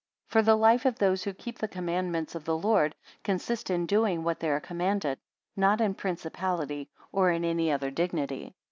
For the life of those who keep the commandments of the Lord, consists in doing what they are commanded; not in principality, or in any other dignity.